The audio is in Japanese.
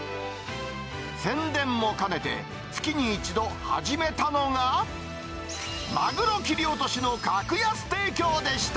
宣伝も兼ねて、月に１度、始めたのが、マグロ切り落としの格安提供でした。